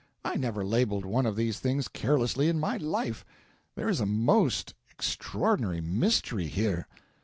I never labeled one of these thing carelessly in my life. There is a most extraordinary mystery here."